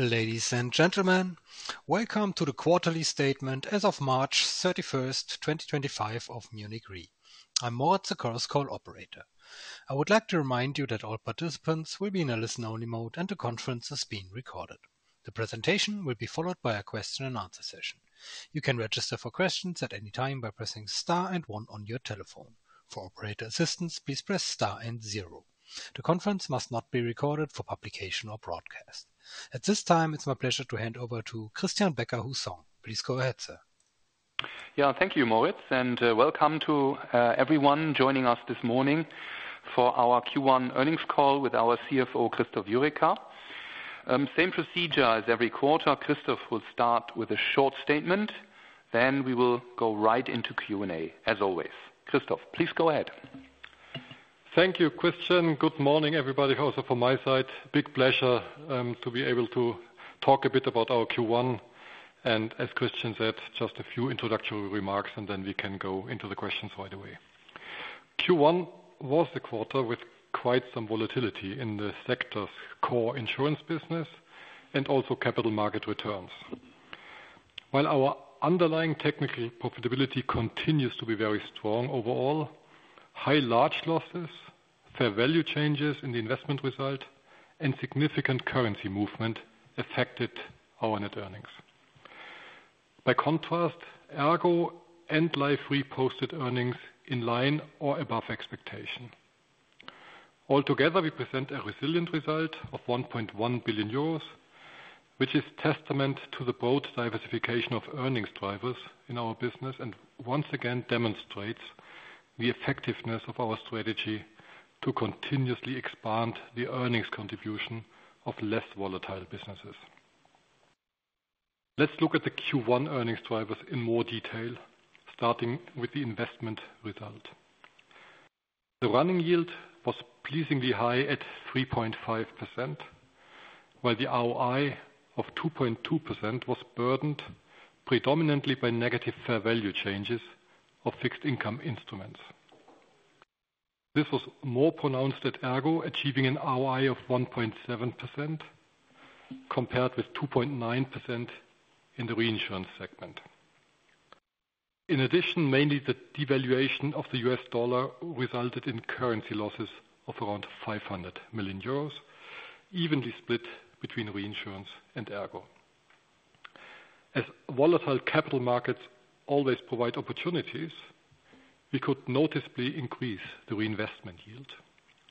Ladies and gentlemen, welcome to the Quarterly Statement as of March 31, 2025, of Munich Re. I'm Moritz, a CorusCall operator. I would like to remind you that all participants will be in a listen-only mode, and the conference is being recorded. The presentation will be followed by a question-and-answer session. You can register for questions at any time by pressing star and one on your telephone. For operator assistance, please press star and zero. The conference must not be recorded for publication or broadcast. At this time, it's my pleasure to hand over to Christian Becker-Hussong. Please go ahead, sir. Yeah, thank you, Moritz, and welcome to everyone joining us this morning for our Q1 earnings call with our CFO, Christoph Jurecka. Same procedure as every quarter: Christoph will start with a short statement, then we will go right into Q&A, as always. Christoph, please go ahead. Thank you, Christian. Good morning, everybody. Also, from my side, big pleasure to be able to talk a bit about our Q1. As Christian said, just a few introductory remarks, and then we can go into the questions right away. Q1 was a quarter with quite some volatility in the sector's core insurance business and also capital market returns. While our underlying technical profitability continues to be very strong overall, high large losses, fair value changes in the investment result, and significant currency movement affected our net earnings. By contrast, Ergo and Life Re posted earnings in line or above expectation. Altogether, we present a resilient result of 1.1 billion euros, which is testament to the broad diversification of earnings drivers in our business and once again demonstrates the effectiveness of our strategy to continuously expand the earnings contribution of less volatile businesses. Let's look at the Q1 earnings drivers in more detail, starting with the investment result. The running yield was pleasingly high at 3.5%, while the ROI of 2.2% was burdened predominantly by negative fair value changes of fixed income instruments. This was more pronounced at Ergo, achieving an ROI of 1.7% compared with 2.9% in the reinsurance segment. In addition, mainly the devaluation of the U.S. dollar resulted in currency losses of around 500 million euros, evenly split between reinsurance and Ergo. As volatile capital markets always provide opportunities, we could noticeably increase the reinvestment yield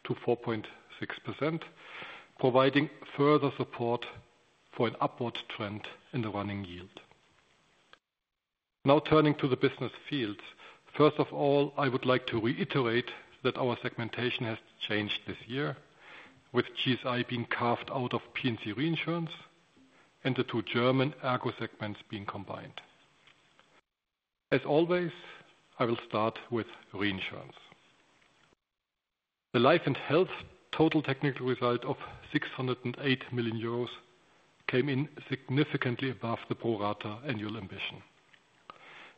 to 4.6%, providing further support for an upward trend in the running yield. Now, turning to the business fields, first of all, I would like to reiterate that our segmentation has changed this year, with GSI being carved out of P&C Reinsurance and the two German Ergo segments being combined. As always, I will start with reinsurance. The life and health total technical result of 608 million euros came in significantly above the pro rata annual ambition.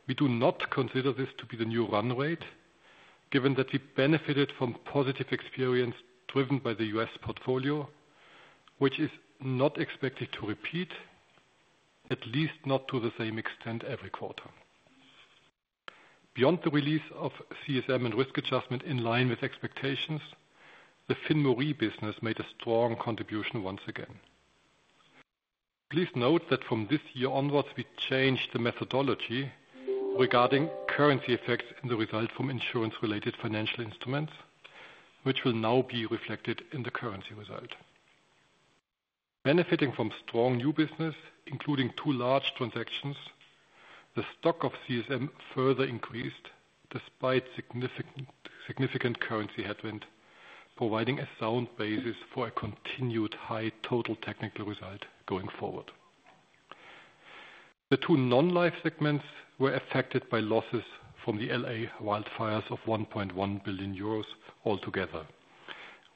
We do not consider this to be the new run rate, given that we benefited from positive experience driven by the U.S. portfolio, which is not expected to repeat, at least not to the same extent, every quarter. Beyond the release of CSM and risk adjustment in line with expectations, the Finma Rie business made a strong contribution once again. Please note that from this year onwards, we changed the methodology regarding currency effects in the result from insurance-related financial instruments, which will now be reflected in the currency result. Benefiting from strong new business, including two large transactions, the stock of CSM further increased despite significant currency headwind, providing a sound basis for a continued high total technical result going forward. The two non-life segments were affected by losses from the L.A. wildfires of 1.1 billion euros altogether,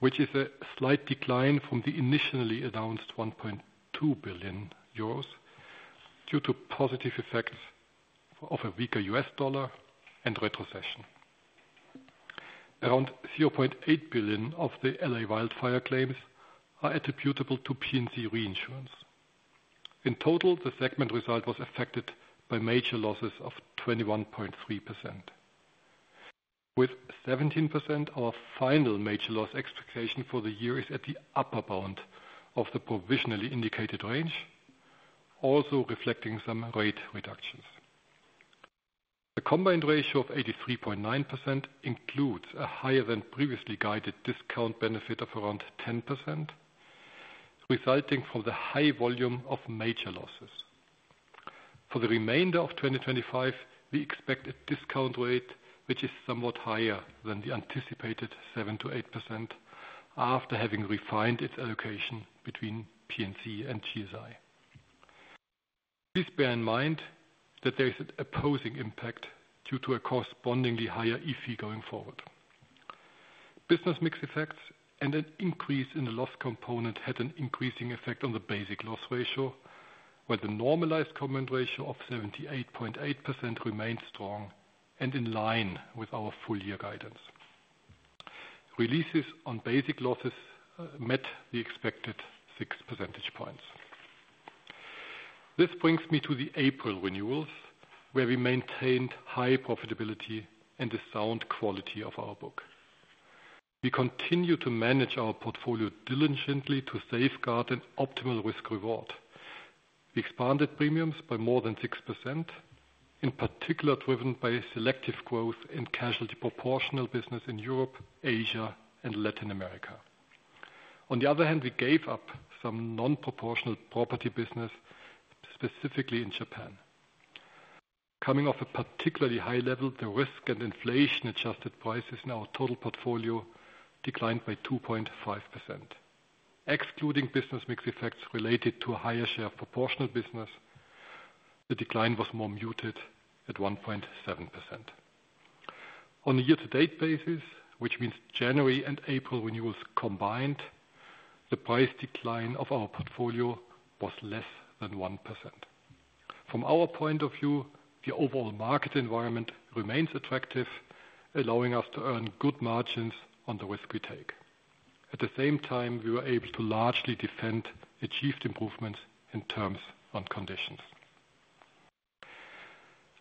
which is a slight decline from the initially announced 1.2 billion euros due to positive effects of a weaker U.S. dollar and retrocession. Around 0.8 billion of the L.A. wildfire claims are attributable to P&C Reinsurance. In total, the segment result was affected by major losses of 21.3%. With 17%, our final major loss expectation for the year is at the upper bound of the provisionally indicated range, also reflecting some rate reductions. The combined ratio of 83.9% includes a higher-than-previously-guided discount benefit of around 10%, resulting from the high volume of major losses. For the remainder of 2025, we expect a discount rate, which is somewhat higher than the anticipated 7-8% after having refined its allocation between P&C and GSI. Please bear in mind that there is an opposing impact due to a correspondingly higher EFI going forward. Business mix effects and an increase in the loss component had an increasing effect on the basic loss ratio, where the normalized combined ratio of 78.8% remained strong and in line with our full-year guidance. Releases on basic losses met the expected 6 percentage points. This brings me to the April renewals, where we maintained high profitability and the sound quality of our book. We continue to manage our portfolio diligently to safeguard an optimal risk-reward. We expanded premiums by more than 6%, in particular driven by selective growth and casualty proportional business in Europe, Asia, and Latin America. On the other hand, we gave up some non-proportional property business, specifically in Japan. Coming off a particularly high level, the risk and inflation-adjusted prices in our total portfolio declined by 2.5%. Excluding business mix effects related to a higher share of proportional business, the decline was more muted at 1.7%. On a year-to-date basis, which means January and April renewals combined, the price decline of our portfolio was less than 1%. From our point of view, the overall market environment remains attractive, allowing us to earn good margins on the risk we take. At the same time, we were able to largely defend achieved improvements in terms and conditions.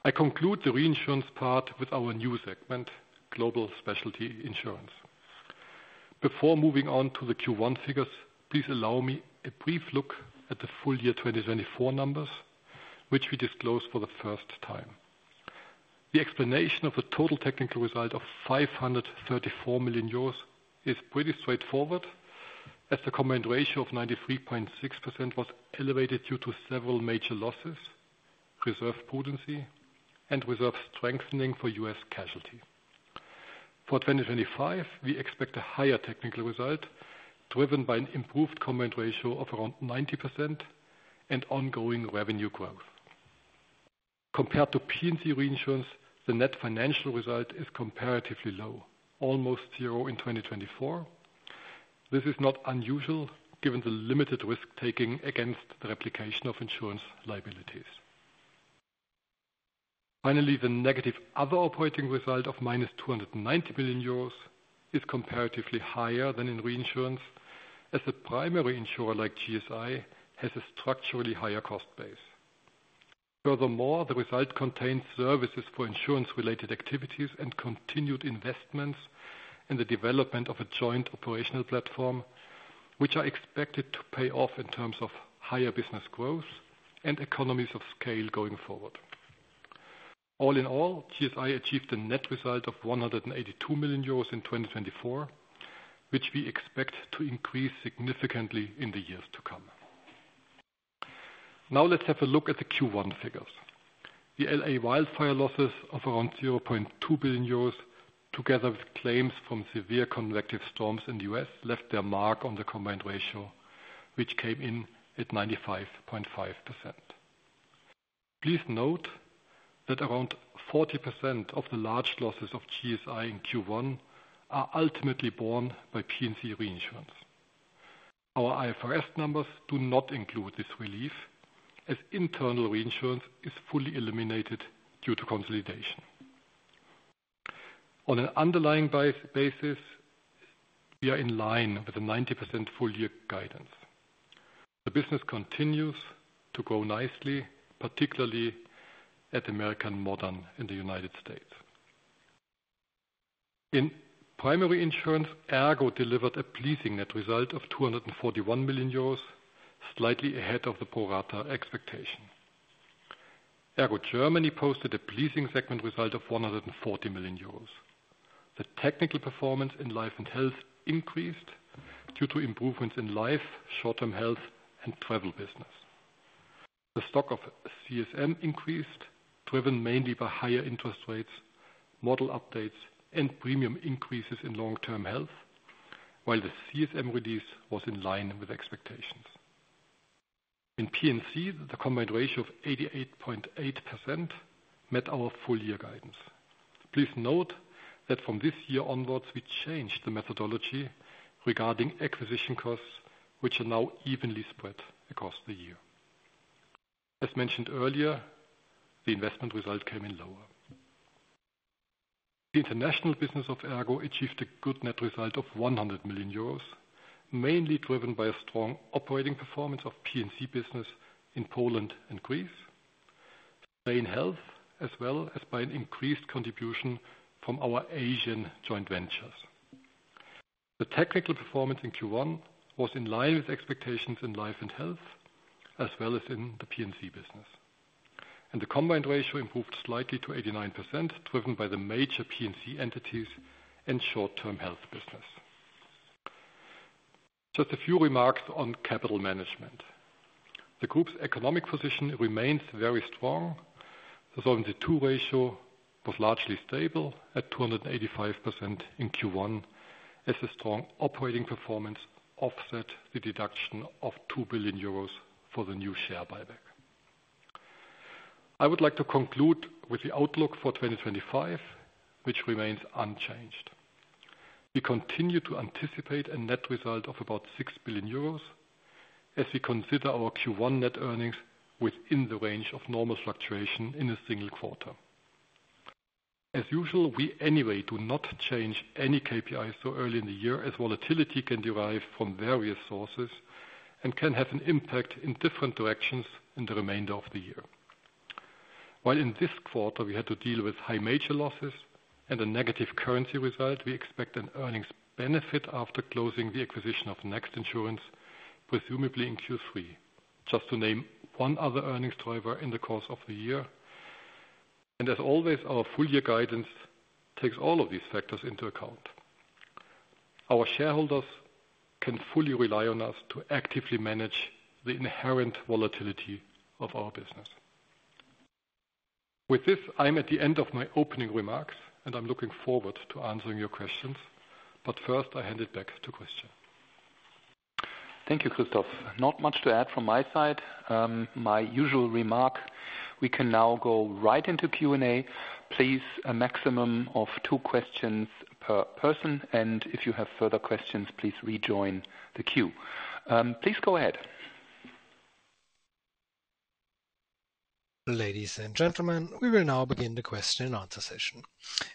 I conclude the reinsurance part with our new segment, Global Specialty Insurance. Before moving on to the Q1 figures, please allow me a brief look at the full-year 2024 numbers, which we disclose for the first time. The explanation of the total technical result of 534 million euros is pretty straightforward, as the combined ratio of 93.6% was elevated due to several major losses, reserve prudency, and reserve strengthening for U.S. casualty. For 2025, we expect a higher technical result, driven by an improved combined ratio of around 90% and ongoing revenue growth. Compared to P&C Reinsurance, the net financial result is comparatively low, almost zero in 2024. This is not unusual, given the limited risk-taking against the replication of insurance liabilities. Finally, the negative other operating result of 290 million euros is comparatively higher than in reinsurance, as a primary insurer like GSI has a structurally higher cost base. Furthermore, the result contains services for insurance-related activities and continued investments in the development of a joint operational platform, which are expected to pay off in terms of higher business growth and economies of scale going forward. All in all, GSI achieved a net result of 182 million euros in 2024, which we expect to increase significantly in the years to come. Now, let's have a look at the Q1 figures. The Los Angeles wildfire losses of around 0.2 billion euros, together with claims from severe convective storms in the U.S., left their mark on the combined ratio, which came in at 95.5%. Please note that around 40% of the large losses of GSI in Q1 are ultimately borne by P&C Reinsurance. Our IFRS numbers do not include this relief, as internal reinsurance is fully eliminated due to consolidation. On an underlying basis, we are in line with the 90% full-year guidance. The business continues to grow nicely, particularly at American Modern in the United States. In primary insurance, Ergo delivered a pleasing net result of 241 million euros, slightly ahead of the pro rata expectation. Ergo Germany posted a pleasing segment result of 140 million euros. The technical performance in life and health increased due to improvements in life, short-term health, and travel business. The stock of CSM increased, driven mainly by higher interest rates, model updates, and premium increases in long-term health, while the CSM release was in line with expectations. In P&C, the combined ratio of 88.8% met our full-year guidance. Please note that from this year onwards, we changed the methodology regarding acquisition costs, which are now evenly spread across the year. As mentioned earlier, the investment result came in lower. The international business of Ergo achieved a good net result of 100 million euros, mainly driven by a strong operating performance of P&C business in Poland and Greece, Spain health, as well as by an increased contribution from our Asian joint ventures. The technical performance in Q1 was in line with expectations in life and health, as well as in the P&C business. The combined ratio improved slightly to 89%, driven by the major P&C entities and short-term health business. Just a few remarks on capital management. The group's economic position remains very strong. The Solvency II ratio was largely stable at 285% in Q1, as the strong operating performance offset the deduction of 2 billion euros for the new share buyback. I would like to conclude with the outlook for 2025, which remains unchanged. We continue to anticipate a net result of about 6 billion euros, as we consider our Q1 net earnings within the range of normal fluctuation in a single quarter. As usual, we anyway do not change any KPIs so early in the year, as volatility can derive from various sources and can have an impact in different directions in the remainder of the year. While in this quarter we had to deal with high major losses and a negative currency result, we expect an earnings benefit after closing the acquisition of Next Insurance, presumably in Q3, just to name one other earnings driver in the course of the year. As always, our full-year guidance takes all of these factors into account. Our shareholders can fully rely on us to actively manage the inherent volatility of our business. With this, I'm at the end of my opening remarks, and I'm looking forward to answering your questions. First, I hand it back to Christian. Thank you, Christoph. Not much to add from my side. My usual remark, we can now go right into Q&A. Please, a maximum of two questions per person. If you have further questions, please rejoin the queue. Please go ahead. Ladies and gentlemen, we will now begin the question-and-answer session.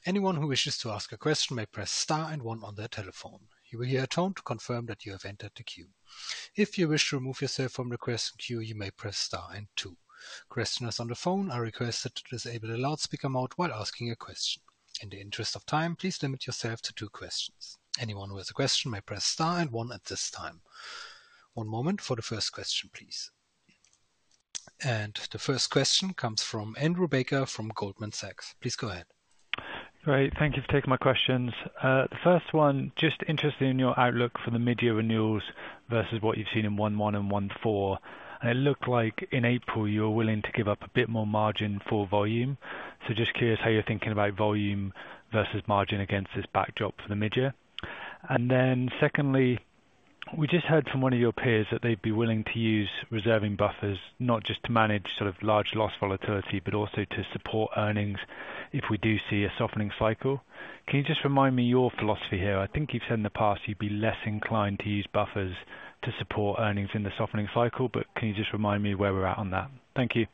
Anyone who wishes to ask a question may press star and one on their telephone. You will hear a tone to confirm that you have entered the queue. If you wish to remove yourself from the question queue, you may press star and two. Questioners on the phone are requested to disable the loudspeaker mode while asking a question. In the interest of time, please limit yourself to two questions. Anyone with a question may press star and one at this time. One moment for the first question, please. The first question comes from Andrew Becker from Goldman Sachs. Please go ahead. Great. Thank you for taking my questions. The first one, just interested in your outlook for the mid-year renewals versus what you've seen in Q1 and Q4. It looked like in April you were willing to give up a bit more margin for volume. Just curious how you're thinking about volume versus margin against this backdrop for the mid-year. Secondly, we just heard from one of your peers that they'd be willing to use reserving buffers, not just to manage sort of large loss volatility, but also to support earnings if we do see a softening cycle. Can you just remind me your philosophy here? I think you've said in the past you'd be less inclined to use buffers to support earnings in the softening cycle, but can you just remind me where we're at on that? Thank you.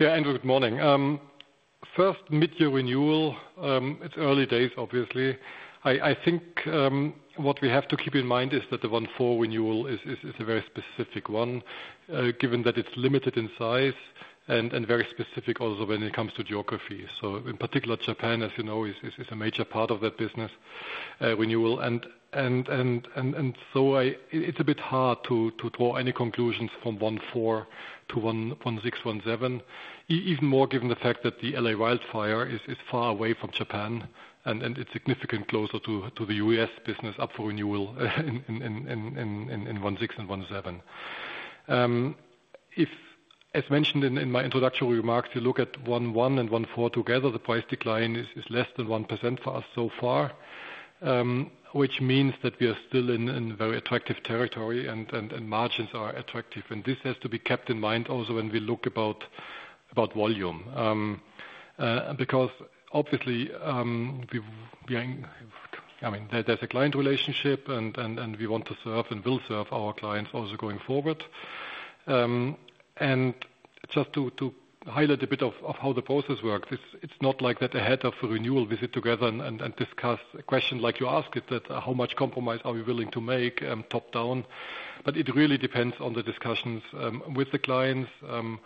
Yeah, Andrew, good morning. First, mid-year renewal, it's early days, obviously. I think what we have to keep in mind is that the Q1 renewal is a very specific one, given that it's limited in size and very specific also when it comes to geography. In particular, Japan, as you know, is a major part of that business renewal. It is a bit hard to draw any conclusions from Q1 to Q1, Q2, Q3. Even more given the fact that the L.A. wildfire is far away from Japan, and it's significantly closer to the U.S. business up for renewal in Q1 and Q2. As mentioned in my introductory remarks, you look at Q1 and Q2 together, the price decline is less than 1% for us so far, which means that we are still in very attractive territory and margins are attractive. This has to be kept in mind also when we look about volume, because obviously there is a client relationship, and we want to serve and will serve our clients also going forward. Just to highlight a bit of how the process works, it is not like that ahead of a renewal we sit together and discuss a question like you asked, how much compromise are we willing to make top-down. It really depends on the discussions with the clients, how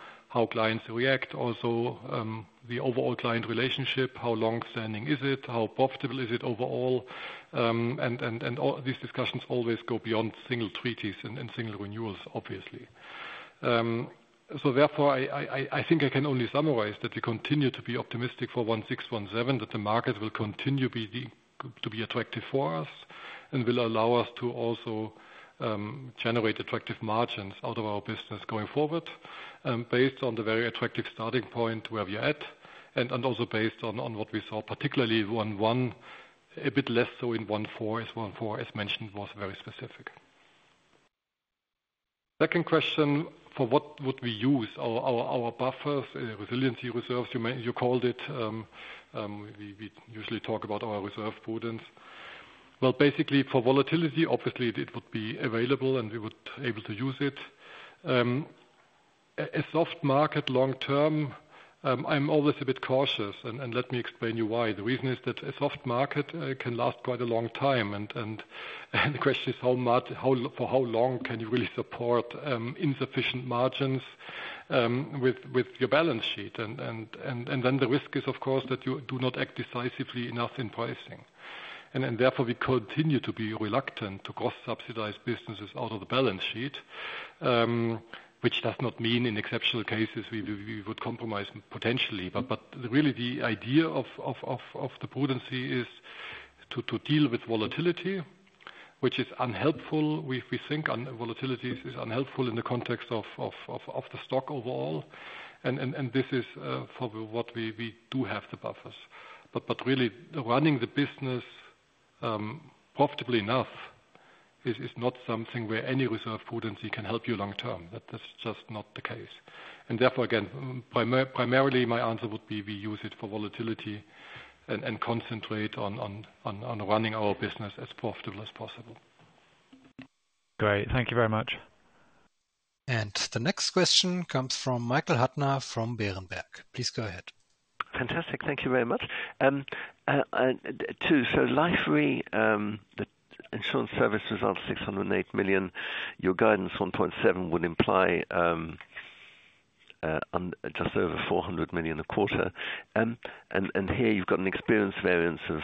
clients react, also the overall client relationship, how long-standing is it, how profitable is it overall. These discussions always go beyond single treaties and single renewals, obviously. Therefore, I think I can only summarize that we continue to be optimistic for Q1, Q2, Q7, that the market will continue to be attractive for us and will allow us to also generate attractive margins out of our business going forward, based on the very attractive starting point where we're at, and also based on what we saw, particularly Q1, Q2, a bit less so in Q1, Q4. As mentioned, it was very specific. Second question, for what would we use our buffers, resiliency reserves? You called it. We usually talk about our reserve prudence. Basically, for volatility, obviously, it would be available, and we would be able to use it. A soft market long-term, I'm always a bit cautious, and let me explain you why. The reason is that a soft market can last quite a long time. The question is, for how long can you really support insufficient margins with your balance sheet? The risk is, of course, that you do not act decisively enough in pricing. Therefore, we continue to be reluctant to cross-subsidize businesses out of the balance sheet, which does not mean in exceptional cases we would compromise potentially. Really, the idea of the prudency is to deal with volatility, which is unhelpful. We think volatility is unhelpful in the context of the stock overall. This is for what we do have the buffers. Really, running the business profitably enough is not something where any reserve prudency can help you long-term. That is just not the case. Therefore, again, primarily my answer would be we use it for volatility and concentrate on running our business as profitably as possible. Great. Thank you very much. The next question comes from Michael Huttner from Berenberg. Please go ahead. Fantastic. Thank you very much. So Lifery, the insurance service result, 608 million, your guidance 1.7 would imply just over 400 million a quarter. And here you have an experience variance of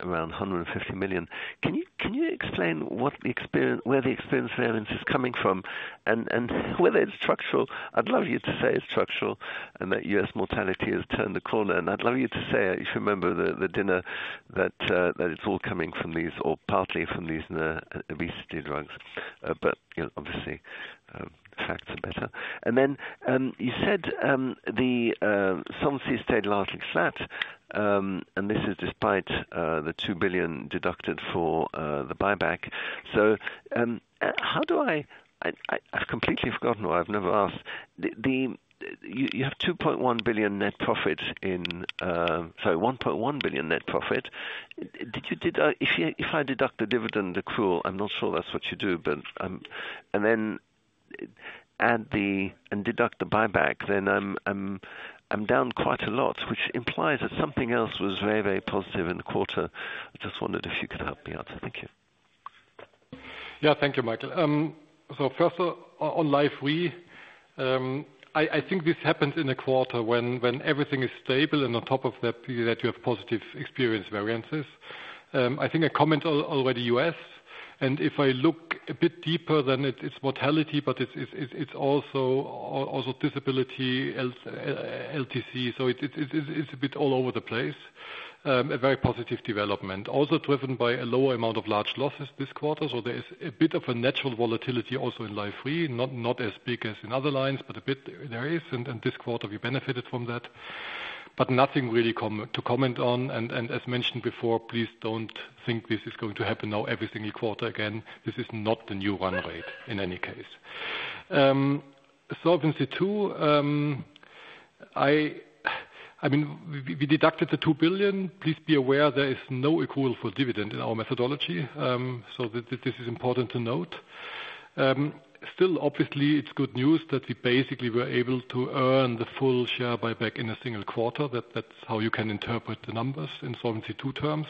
around 150 million. Can you explain where the experience variance is coming from? And whether it is structural, I would love you to say it is structural and that U.S. mortality has turned the corner. I would love you to say, if you remember the dinner, that it is all coming from these or partly from these obesity drugs. Obviously, facts are better. You said the sum seems to have stayed largely flat, and this is despite the 2 billion deducted for the buyback. How do I—I have completely forgotten why I have never asked. You have 2.1 billion net profit in—sorry, 1.1 billion net profit. If I deduct the dividend accrual, I'm not sure that's what you do, but—and then add the—and deduct the buyback, then I'm down quite a lot, which implies that something else was very, very positive in the quarter. I just wondered if you could help me out. Thank you. Yeah, thank you, Michael. First, on L&H Re, I think this happens in a quarter when everything is stable and on top of that you have positive experience variances. I think I commented already U.S. And if I look a bit deeper, then it's mortality, but it's also disability, LTC. It's a bit all over the place. A very positive development, also driven by a lower amount of large losses this quarter. There is a bit of a natural volatility also in L&H Re, not as big as in other lines, but a bit there is. This quarter, we benefited from that. Nothing really to comment on. As mentioned before, please do not think this is going to happen every single quarter again. This is not the new run rate in any case. Solvency II. I mean, we deducted the 2 billion. Please be aware there is no accrual for dividend in our methodology. This is important to note. Still, obviously, it is good news that we basically were able to earn the full share buyback in a single quarter. That is how you can interpret the numbers in Solvency II terms.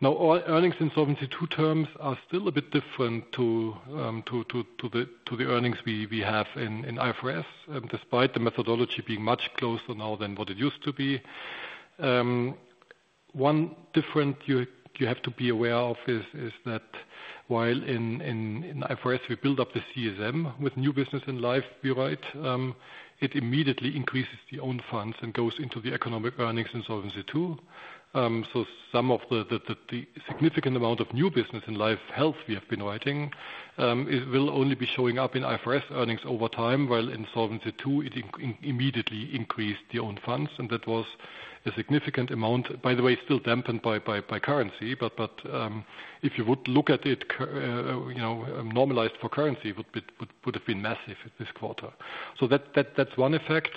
Now, earnings in Solvency II terms are still a bit different from the earnings we have in IFRS, despite the methodology being much closer now than what it used to be. One difference you have to be aware of is that while in IFRS, we build up the CSM with new business in life, we write, it immediately increases the own funds and goes into the economic earnings in Solvency II. Some of the significant amount of new business in life health we have been writing will only be showing up in IFRS earnings over time, while in Solvency II, it immediately increased the own funds. That was a significant amount, by the way, still dampened by currency. If you would look at it normalized for currency, it would have been massive this quarter. That is one effect.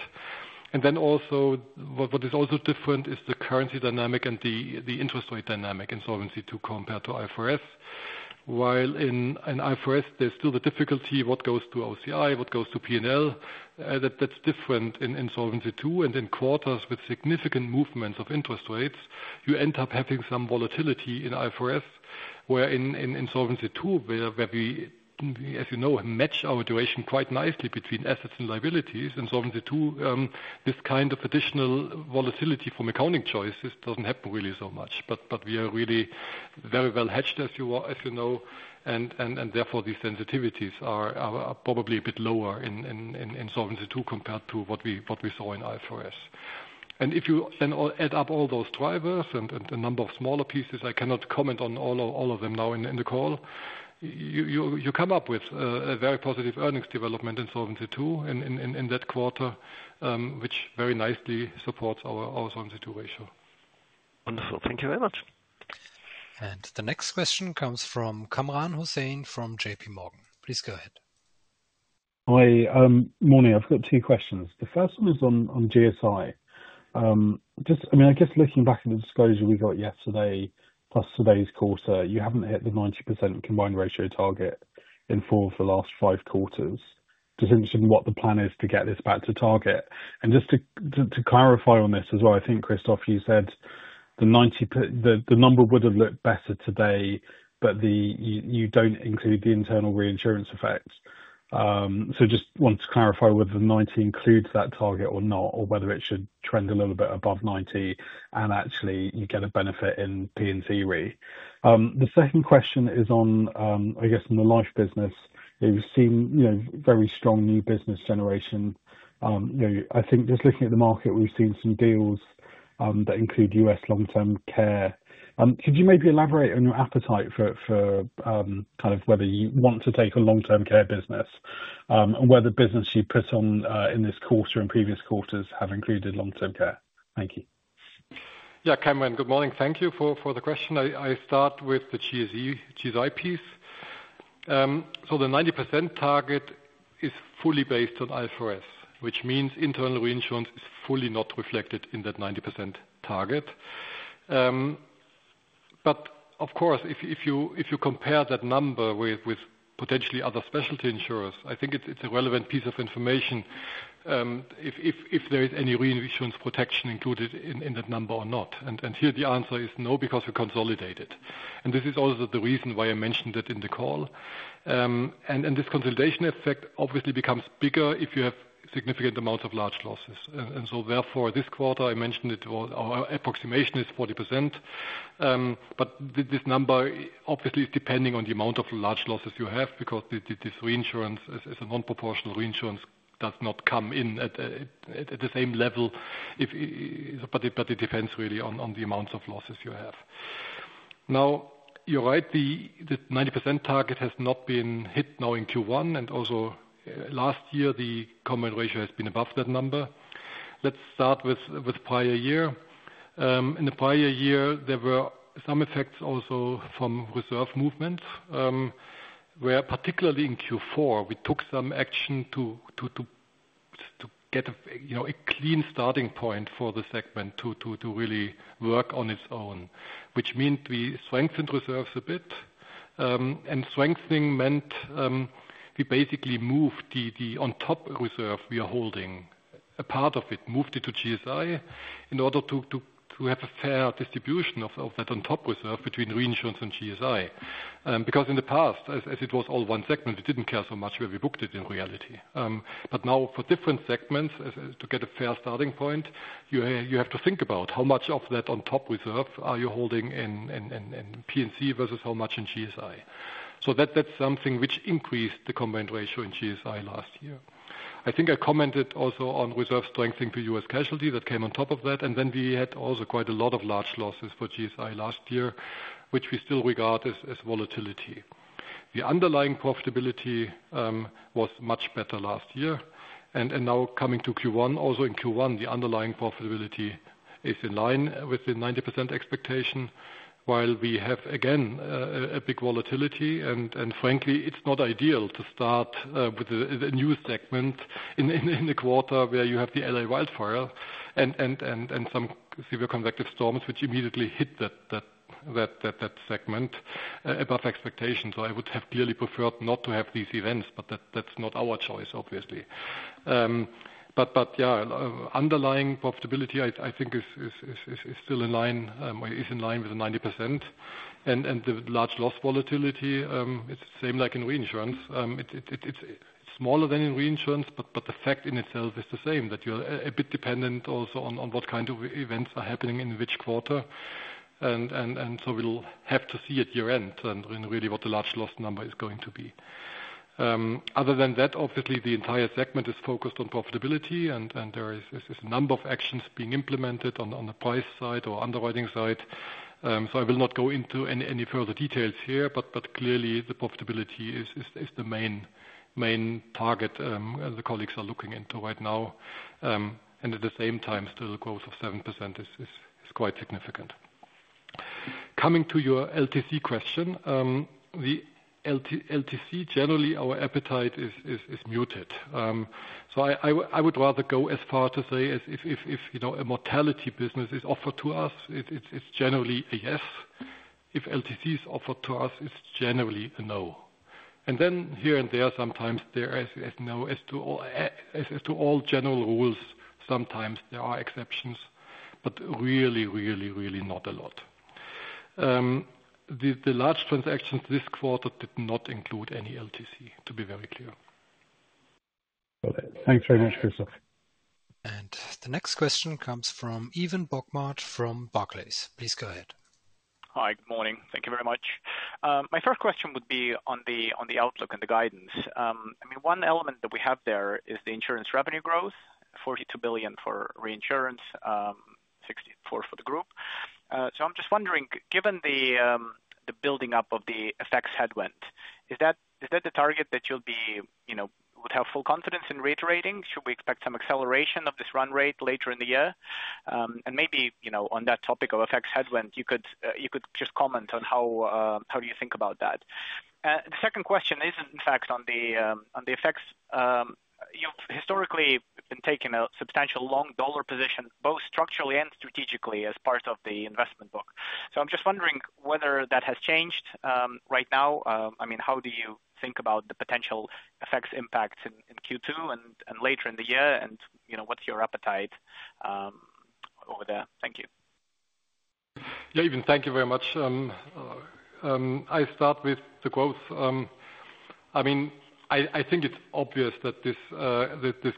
Also, what is different is the currency dynamic and the interest rate dynamic in Solvency II compared to IFRS. While in IFRS, there is still the difficulty of what goes to OCI, what goes to P&L. That's different in Solvency II. In quarters with significant movements of interest rates, you end up having some volatility in IFRS, where in Solvency II, where we, as you know, match our duration quite nicely between assets and liabilities. In Solvency II, this kind of additional volatility from accounting choices does not happen really so much. We are really very well hedged, as you know, and therefore these sensitivities are probably a bit lower in Solvency II compared to what we saw in IFRS. If you then add up all those drivers and a number of smaller pieces, I cannot comment on all of them now in the call, you come up with a very positive earnings development in Solvency II in that quarter, which very nicely supports our Solvency II ratio. Wonderful. Thank you very much. The next question comes from Kamran Hossain from JPMorgan. Please go ahead. Hi. Morning. I've got two questions. The first one is on GSI. I mean, I guess looking back at the disclosure we got yesterday, plus today's quarter, you haven't hit the 90% combined ratio target in four of the last five quarters. Just interested in what the plan is to get this back to target. Just to clarify on this as well, I think, Christoph, you said the number would have looked better today, but you don't include the internal reinsurance effect. Just want to clarify whether the 90 includes that target or not, or whether it should trend a little bit above 90 and actually you get a benefit in P&C Re. The second question is on, I guess, in the life business, you've seen very strong new business generation. I think just looking at the market, we've seen some deals that include U.S. long-term care. Could you maybe elaborate on your appetite for kind of whether you want to take a long-term care business and whether business you put on in this quarter and previous quarters have included long-term care? Thank you. Yeah, Kamran, good morning. Thank you for the question. I start with the GSI piece. The 90% target is fully based on IFRS, which means internal reinsurance is fully not reflected in that 90% target. Of course, if you compare that number with potentially other specialty insurers, I think it's a relevant piece of information if there is any reinsurance protection included in that number or not. Here the answer is no, because we consolidated. This is also the reason why I mentioned it in the call. This consolidation effect obviously becomes bigger if you have significant amounts of large losses. Therefore, this quarter, I mentioned it, our approximation is 40%. This number obviously is depending on the amount of large losses you have, because this reinsurance is a non-proportional reinsurance that does not come in at the same level. It depends really on the amounts of losses you have. Now, you're right, the 90% target has not been hit now in Q1. Also last year, the combined ratio has been above that number. Let's start with prior year. In the prior year, there were some effects also from reserve movements, where particularly in Q4, we took some action to get a clean starting point for the segment to really work on its own, which meant we strengthened reserves a bit. Strengthening meant we basically moved the on-top reserve we are holding, a part of it, moved it to GSI in order to have a fair distribution of that on-top reserve between reinsurance and GSI. Because in the past, as it was all one segment, we did not care so much where we booked it in reality. Now, for different segments, to get a fair starting point, you have to think about how much of that on-top reserve you are holding in P&C versus how much in GSI. That is something which increased the combined ratio in GSI last year. I think I commented also on reserve strengthening for U.S. casualty that came on top of that. We had also quite a lot of large losses for GSI last year, which we still regard as volatility. The underlying profitability was much better last year. Now coming to Q1, also in Q1, the underlying profitability is in line with the 90% expectation, while we have, again, a big volatility. Frankly, it is not ideal to start with a new segment in a quarter where you have the L.A. wildfire and some severe convective storms, which immediately hit that segment above expectation. I would have clearly preferred not to have these events, but that is not our choice, obviously. Yeah, underlying profitability, I think, is still in line or is in line with the 90%. The large loss volatility, it is the same like in reinsurance. It is smaller than in reinsurance, but the fact in itself is the same, that you are a bit dependent also on what kind of events are happening in which quarter. We will have to see at year-end really what the large loss number is going to be. Other than that, obviously, the entire segment is focused on profitability, and there is a number of actions being implemented on the price side or underwriting side. I will not go into any further details here, but clearly, the profitability is the main target the colleagues are looking into right now. At the same time, still, the growth of 7% is quite significant. Coming to your LTC question, the LTC, generally, our appetite is muted. I would rather go as far to say if a mortality business is offered to us, it's generally a yes. If LTC is offered to us, it's generally a no. Here and there, sometimes there is a no as to all general rules. Sometimes there are exceptions, but really, really, really not a lot. The large transactions this quarter did not include any LTC, to be very clear. Thanks very much, Christoph. The next question comes from Evan Bogart from Barclays. Please go ahead. Hi. Good morning. Thank you very much. My first question would be on the outlook and the guidance. I mean, one element that we have there is the insurance revenue growth, 42 billion for reinsurance for the group. I'm just wondering, given the building up of the effects headwind, is that the target that you would have full confidence in reiterating? Should we expect some acceleration of this run rate later in the year? Maybe on that topic of effects headwind, you could just comment on how you think about that. The second question is, in fact, on the effects. You've historically been taking a substantial long dollar position, both structurally and strategically, as part of the investment book. I'm just wondering whether that has changed right now. I mean, how do you think about the potential effects impacts in Q2 and later in the year? And what's your appetite over there? Thank you. Yeah, Evan, thank you very much. I start with the growth. I mean, I think it's obvious that this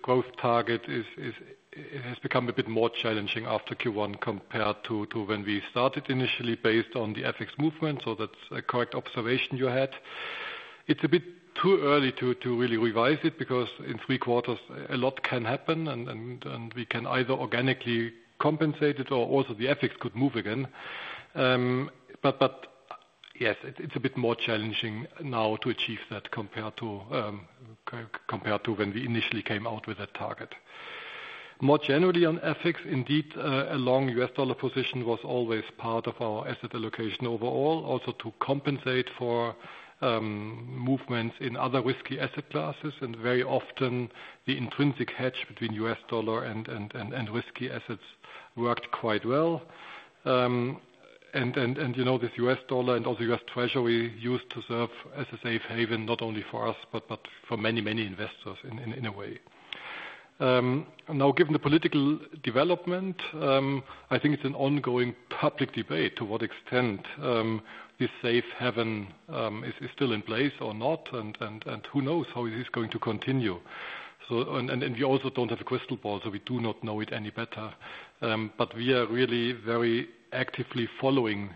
growth target has become a bit more challenging after Q1 compared to when we started initially based on the FX movement. So that's a correct observation you had. It's a bit too early to really revise it because in three quarters, a lot can happen, and we can either organically compensate it or also the FX could move again. Yes, it's a bit more challenging now to achieve that compared to when we initially came out with that target. More generally on ethics, indeed, a long U.S. dollar position was always part of our asset allocation overall, also to compensate for movements in other risky asset classes. Very often, the intrinsic hedge between U.S. dollar and risky assets worked quite well. This U.S. dollar and also U.S. Treasury used to serve as a safe haven not only for us, but for many, many investors in a way. Now, given the political development, I think it's an ongoing public debate to what extent this safe haven is still in place or not, and who knows how it is going to continue. We also do not have a crystal ball, so we do not know it any better. We are really very actively following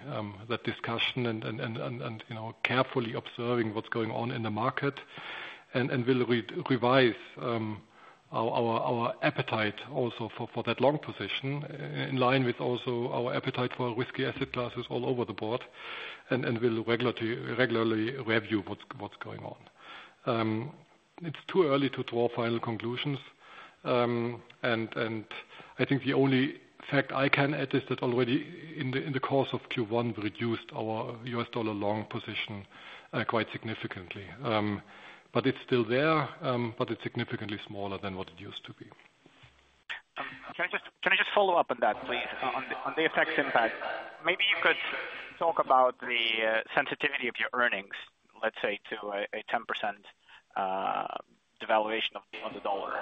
that discussion and carefully observing what's going on in the market. We'll revise our appetite also for that long position in line with also our appetite for risky asset classes all over the board. We'll regularly review what's going on. It's too early to draw final conclusions. I think the only fact I can add is that already in the course of Q1, we reduced our U.S. dollar long position quite significantly. It's still there, but it's significantly smaller than what it used to be. Can I just follow up on that, please, on the effects impact? Maybe you could talk about the sensitivity of your earnings, let's say, to a 10% devaluation of the dollar.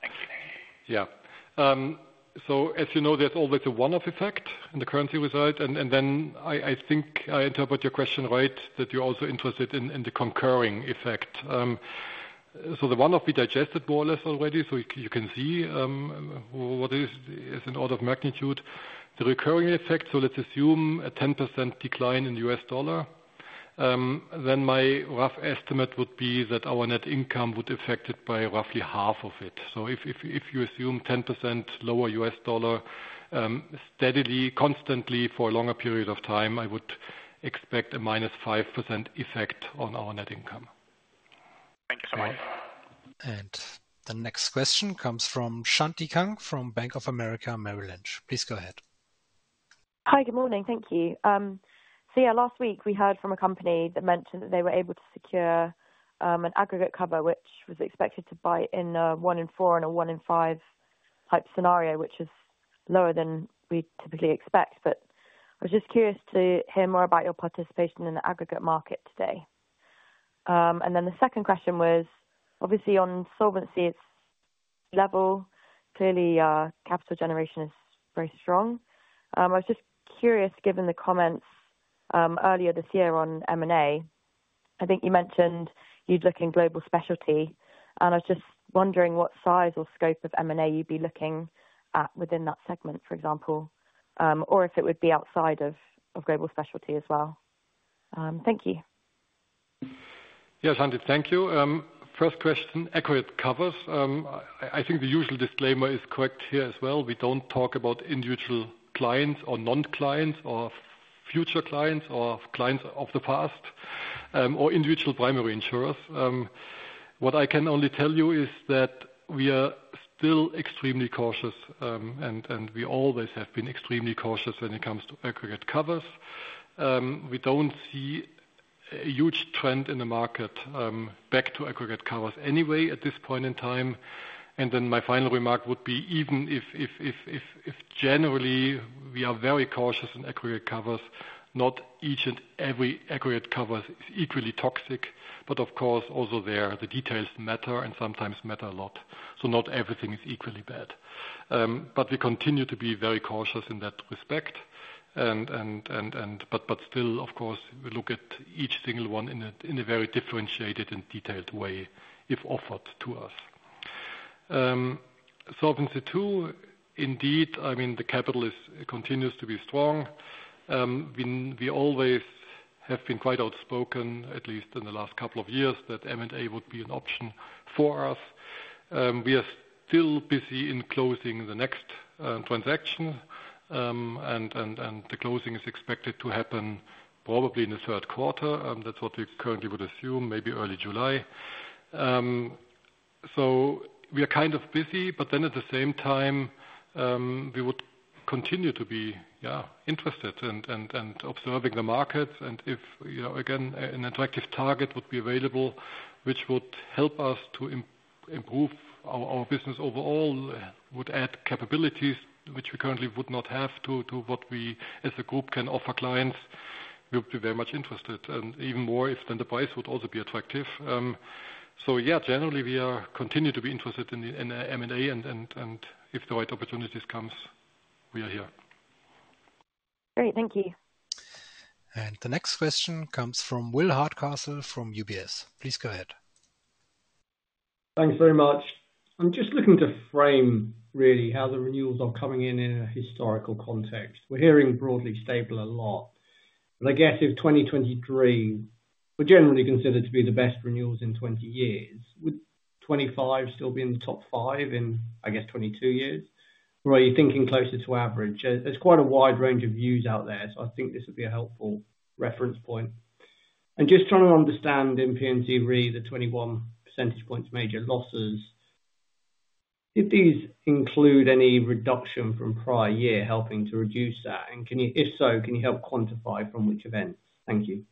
Thank you. Yeah. As you know, there's always a one-off effect in the currency result. I think I interpret your question right, that you're also interested in the concurring effect. The one-off, we digested more or less already, so you can see what is in order of magnitude. The recurring effect, so let's assume a 10% decline in the U.S. dollar. Then my rough estimate would be that our net income would be affected by roughly half of it. If you assume 10% lower U.S. dollar steadily, constantly for a longer period of time, I would expect a minus 5% effect on our net income. Thank you so much. The next question comes from Shanti Kang from Bank of America Merrill Lynch. Please go ahead. Hi. Good morning. Thank you. Yeah, last week, we heard from a company that mentioned that they were able to secure an aggregate cover, which was expected to buy in a one-in-four and a one-in-five type scenario, which is lower than we typically expect. I was just curious to hear more about your participation in the aggregate market today. The second question was, obviously, on solvency level, clearly, capital generation is very strong. I was just curious, given the comments earlier this year on M&A, I think you mentioned you'd look in global specialty. I was just wondering what size or scope of M&A you'd be looking at within that segment, for example, or if it would be outside of global specialty as well. Thank you. Yes, Shanti, thank you. First question, aggregate covers. I think the usual disclaimer is correct here as well. We do not talk about individual clients or non-clients or future clients or clients of the past or individual primary insurers. What I can only tell you is that we are still extremely cautious, and we always have been extremely cautious when it comes to aggregate covers. We do not see a huge trend in the market back to aggregate covers anyway at this point in time. My final remark would be, even if generally we are very cautious in aggregate covers, not each and every aggregate cover is equally toxic. Of course, also there, the details matter and sometimes matter a lot. Not everything is equally bad. We continue to be very cautious in that respect. Still, of course, we look at each single one in a very differentiated and detailed way, if offered to us. Solvency II, indeed, I mean, the capital continues to be strong. We always have been quite outspoken, at least in the last couple of years, that M&A would be an option for us. We are still busy in closing the next transaction, and the closing is expected to happen probably in the third quarter. That's what we currently would assume, maybe early July. We are kind of busy, but at the same time, we would continue to be interested in observing the markets. If, again, an attractive target would be available, which would help us to improve our business overall, would add capabilities which we currently would not have to what we, as a group, can offer clients, we would be very much interested. Even more if the price would also be attractive. Yeah, generally, we continue to be interested in M&A, and if the right opportunities come, we are here. Great. Thank you. The next question comes from Will Hardcastle from UBS. Please go ahead. Thanks very much. I'm just looking to frame really how the renewals are coming in in a historical context. We're hearing broadly stable a lot. I guess if 2023 were generally considered to be the best renewals in 20 years, would 2025 still be in the top five in, I guess, 22 years? Or are you thinking closer to average? There is quite a wide range of views out there, so I think this would be a helpful reference point. Just trying to understand in P&C Re, the 21 percentage points major losses, did these include any reduction from prior year helping to reduce that? If so, can you help quantify from which events? Thank you.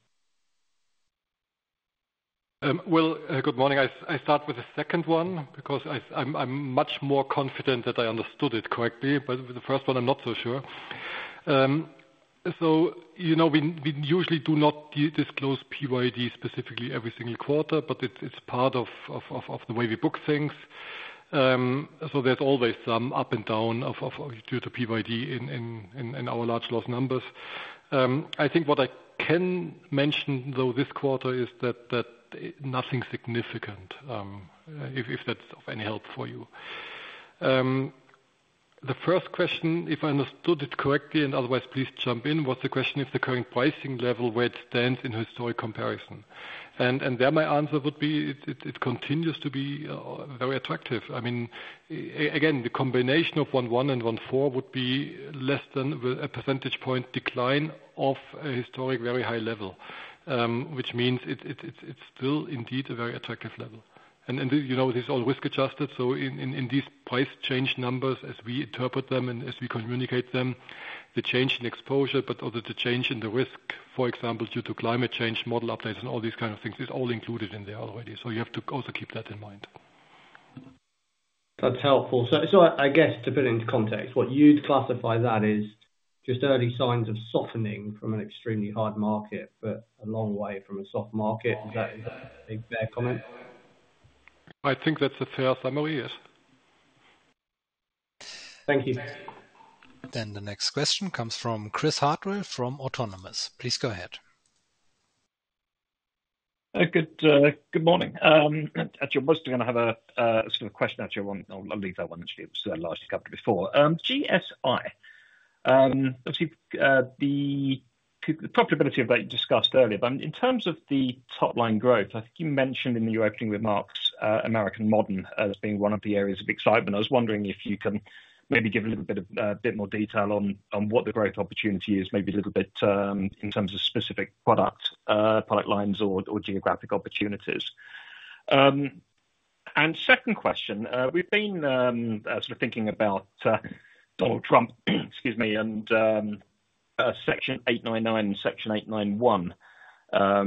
Good morning. I start with the second one because I am much more confident that I understood it correctly, but with the first one, I am not so sure. We usually do not disclose PYD specifically every single quarter, but it is part of the way we book things. There is always some up and down due to PYD in our large loss numbers. I think what I can mention, though, this quarter is that nothing significant, if that is of any help for you. The first question, if I understood it correctly, and otherwise, please jump in, was the question if the current pricing level, where it stands in historic comparison. There my answer would be it continues to be very attractive. I mean, again, the combination of 1-1 and 1-4 would be less than a percentage point decline off a historic very high level, which means it is still indeed a very attractive level. This is all risk-adjusted. In these price change numbers, as we interpret them and as we communicate them, the change in exposure, but also the change in the risk, for example, due to climate change, model updates, and all these kind of things is all included in there already. You have to also keep that in mind. That's helpful. I guess to put it into context, what you'd classify that as just early signs of softening from an extremely hard market, but a long way from a soft market. Is that a fair comment? I think that's a fair summary, yes. Thank you. The next question comes from Chris Hartwell from Autonomous. Please go ahead. Good morning. Actually, I'm just going to have a sort of question actually. I'll leave that one actually. It was largely covered before. GSI, obviously, the profitability of that you discussed earlier. In terms of the top-line growth, I think you mentioned in your opening remarks American Modern as being one of the areas of excitement. I was wondering if you can maybe give a little bit of more detail on what the growth opportunity is, maybe a little bit in terms of specific product lines or geographic opportunities. Second question, we've been sort of thinking about Donald Trump, excuse me, and Section 899 and Section 891,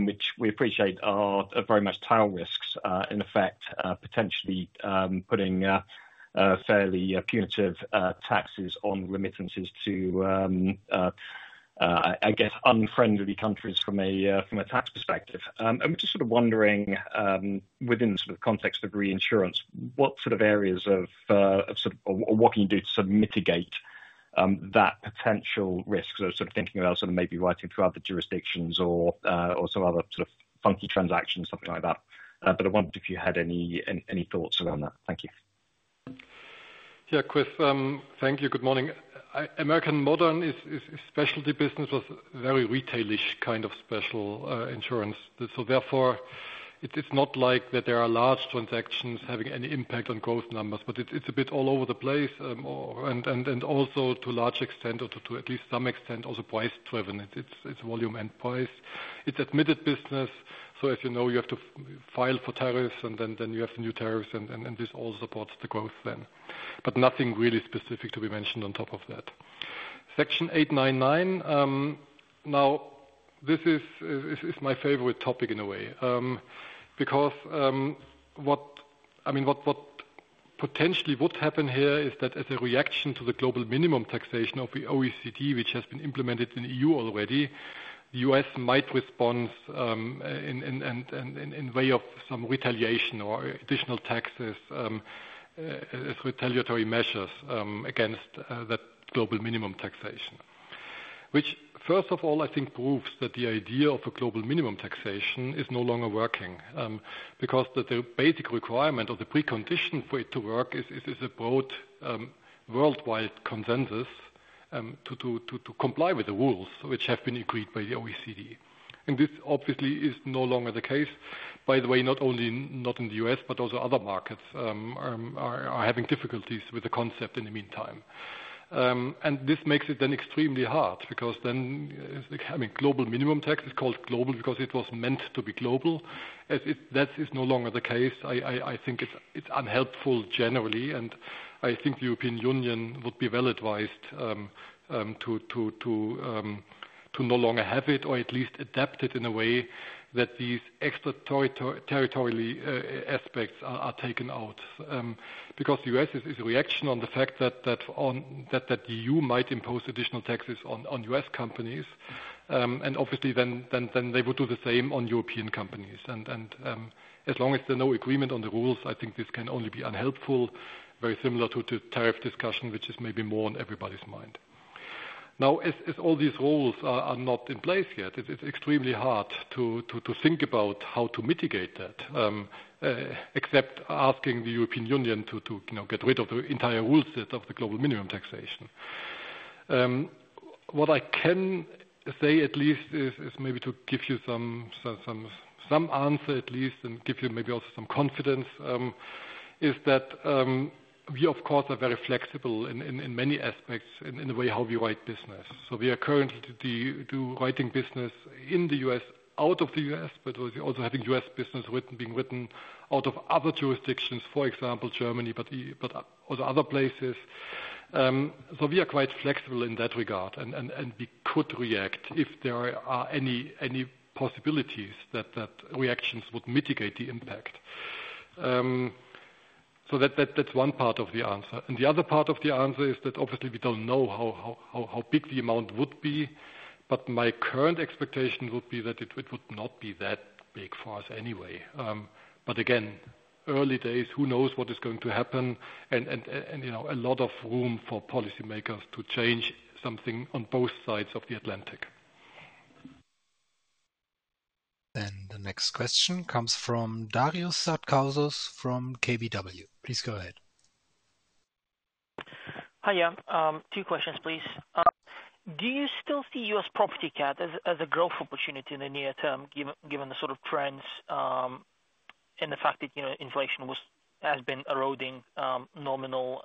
which we appreciate are very much tail risks in effect, potentially putting fairly punitive taxes on remittances to, I guess, unfriendly countries from a tax perspective. We're just sort of wondering within the sort of context of reinsurance, what sort of areas of sort of what can you do to sort of mitigate that potential risk? Sort of thinking about maybe writing throughout the jurisdictions or some other sort of funky transactions, something like that. I wondered if you had any thoughts around that. Thank you. Yeah, Chris, thank you. Good morning. American Modern is a specialty business with very retail-ish kind of special insurance. Therefore, it's not like there are large transactions having any impact on growth numbers, but it's a bit all over the place. Also, to a large extent, or to at least some extent, also price-driven. It's volume and price. It's admitted business. As you know, you have to file for tariffs, and then you have new tariffs, and this all supports the growth then. Nothing really specific to be mentioned on top of that. Section 899. Now, this is my favorite topic in a way because what I mean, what potentially would happen here is that as a reaction to the global minimum taxation of the OECD, which has been implemented in the EU already, the U.S. might respond in way of some retaliation or additional taxes as retaliatory measures against that global minimum taxation, which first of all, I think proves that the idea of a global minimum taxation is no longer working because the basic requirement or the precondition for it to work is a broad worldwide consensus to comply with the rules which have been agreed by the OECD. This obviously is no longer the case. By the way, not only not in the U.S., but also other markets are having difficulties with the concept in the meantime. This makes it then extremely hard because, I mean, global minimum tax is called global because it was meant to be global. That is no longer the case. I think it's unhelpful generally. I think the European Union would be well advised to no longer have it or at least adapt it in a way that these extra territory aspects are taken out because the U.S. is a reaction on the fact that the EU might impose additional taxes on U.S. companies. Obviously, then they would do the same on European companies. As long as there's no agreement on the rules, I think this can only be unhelpful, very similar to the tariff discussion, which is maybe more on everybody's mind. Now, as all these rules are not in place yet, it's extremely hard to think about how to mitigate that, except asking the European Union to get rid of the entire rule set of the global minimum taxation. What I can say at least is maybe to give you some answer at least and give you maybe also some confidence is that we, of course, are very flexible in many aspects in the way how we write business. We are currently writing business in the U.S., out of the U.S., but also having U.S. business being written out of other jurisdictions, for example, Germany, but also other places. We are quite flexible in that regard, and we could react if there are any possibilities that reactions would mitigate the impact. That's one part of the answer. The other part of the answer is that obviously we do not know how big the amount would be, but my current expectation would be that it would not be that big for us anyway. Again, early days, who knows what is going to happen and a lot of room for policymakers to change something on both sides of the Atlantic. The next question comes from Darius Satkauskas from KBW. Please go ahead. Hi, yeah. Two questions, please. Do you still see U.S. property cat as a growth opportunity in the near term given the sort of trends and the fact that inflation has been eroding nominal